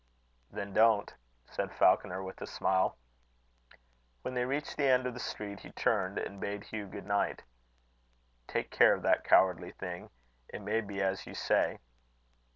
"Then don't," said Falconer, with a smile. When they reached the end of the street, he turned, and bade Hugh good night. "Take care of that cowardly thing. It may be as you say."